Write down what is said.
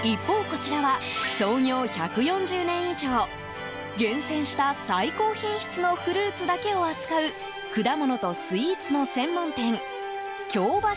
こちらは創業１４０年以上厳選した最高品質のフルーツだけを扱う果物とスイーツの専門店京橋